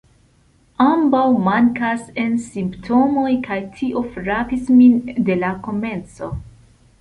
Ambaŭ mankas en Simptomoj, kaj tio frapis min de la komenco.